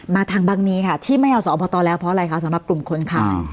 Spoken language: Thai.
มาทางบังนี้ค่ะที่ไม่เอาสอบตแล้วเพราะอะไรคะสำหรับกลุ่มคนขาย